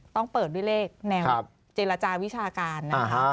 ต้องเปิดด้วยเลขแนวเจรจาวิชาการนะคะ